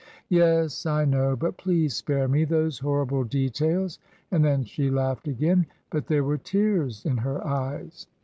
"Yes, I know, but please spare me those horrible details," and then she laughed again; but there were tears in her eyes.